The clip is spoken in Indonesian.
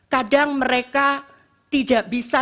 kadang mereka tidak bisa